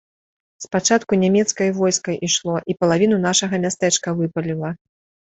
Спачатку нямецкае войска ішло і палавіну нашага мястэчка выпаліла.